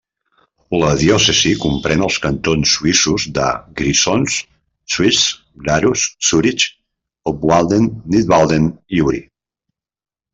La diòcesi comprèn els cantons suïssos de Grisons, Schwyz, Glarus, Zuric, Obwalden, Nidwalden i Uri.